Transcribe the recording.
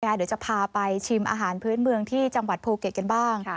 เดี๋ยวจะพาไปชิมอาหารพื้นเมืองที่จังหวัดภูเก็ตกันบ้าง